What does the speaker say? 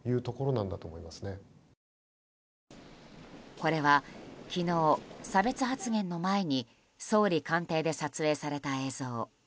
これは、昨日差別発言の前に総理官邸で撮影された映像。